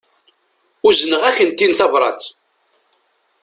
Uzneɣ-akent-in tabrat.